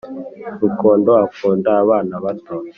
Rukundo akunda abana bato